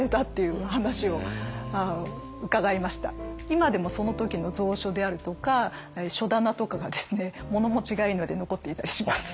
今でもその時の蔵書であるとか書棚とかがですね物持ちがいいので残っていたりします。